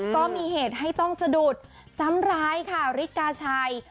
ก็มีเหตุให้ต้องสะดุดซ้ำร้ายค่ะฤทธิกาชัย